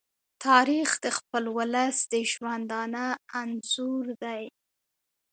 تاریخ د خپل ولس د ژوندانه انځور دی.